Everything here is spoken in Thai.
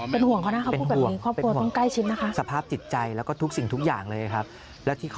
เป็นห่วงนะคำพูดแบบนี้